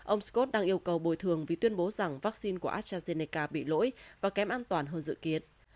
ông scott đang yêu cầu bồi thường vì tuyên bố rằng vaccine của astrazeneca bị lỗi và kém an toàn hơn dự kiến